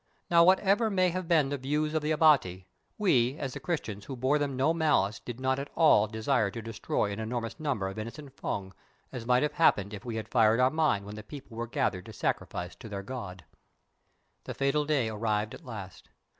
Now, whatever may have been the views of the Abati, we as Christians who bore them no malice did not at all desire to destroy an enormous number of innocent Fung, as might have happened if we had fired our mine when the people were gathered to sacrifice to their god. The fatal day arrived at last.